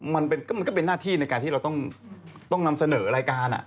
มันก็เป็นหน้าที่ในการที่เราต้องนำเสนอรายการ